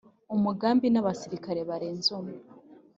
umugambi nabasirikare barenze umwe